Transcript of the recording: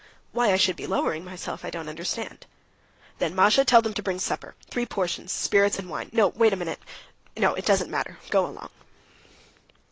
"Why I should be lowering myself, I don't understand." "Then, Masha, tell them to bring supper; three portions, spirits and wine.... No, wait a minute.... No, it doesn't matter.... Go along."